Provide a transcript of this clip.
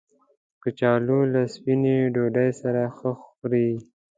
کچالو له سپینې ډوډۍ سره ښه خوري